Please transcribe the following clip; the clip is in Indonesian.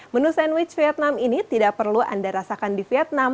menu sandwich vietnam ini tidak perlu anda rasakan di vietnam